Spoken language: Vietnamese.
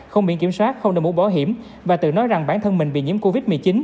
không biển kiểm soát không đồng hữu bỏ hiểm và tự nói rằng bản thân mình bị nhiễm covid một mươi chín